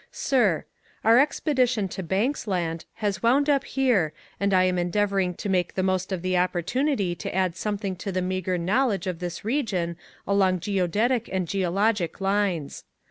Sir: Our expedition to Banks Land has wound up here and I am endeavoring to make the most of the opportunity to add something to the meager knowledge of this region along geodetic and geologic lines.